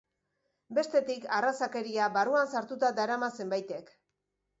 Bestetik, arrazakeria barruan sartuta darama zenbaitek.